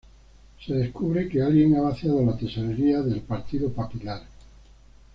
Se descubre que alguien ha vaciado la Tesorería del "Partido Papilar".